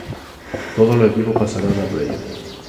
Todos los equipos pasaran a play offs.